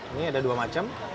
ini ada dua macam